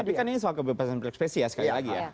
tapi kan ini soal kebebasan berekspresi ya sekali lagi ya